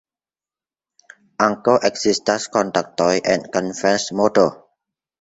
Ankaŭ ekzistas kontaktoj en konvers-modo.